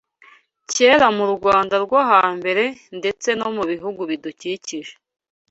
Kera mu Rwanda rwo ha mbere ndetse no mu bihugu bidukikije